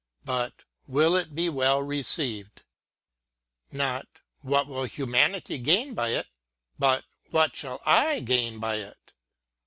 but, Will it be well received? — not, What will huma nity gain by it? but, What shall / gain by it?